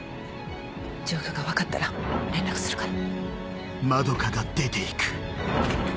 状況が分かったら連絡するから。